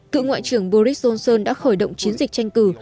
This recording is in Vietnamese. cựu ngoại trưởng boris johnson đã khởi động chiến dịch tranh cử